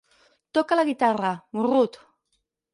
Toca la guitarra, morrut!